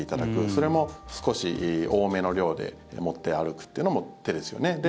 それも、少し多めの量で持って歩くっていうのも手です。